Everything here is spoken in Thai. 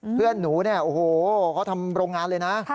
เพื่อนหนูเนี่ยโอ้โหเขาทำโรงงานเลยนะ